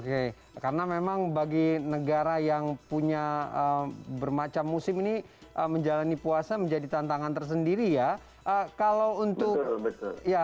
oke karena memang bagi negara yang punya bermacam musim ini menjalani puasa menjadi tantangan tersendiri ya